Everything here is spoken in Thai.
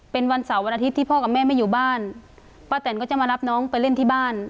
เป็นวันเสาร์วันอาทิตย์ที่พ่อกับแม่ไม่อยู่บ้านป้าแตนก็จะมารับน้องไปเล่นที่บ้าน